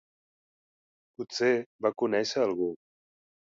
Potser va conèixer algú.